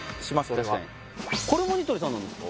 俺は確かにこれもニトリさんなんですか？